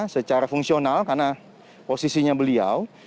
secara fungsional karena posisinya beliau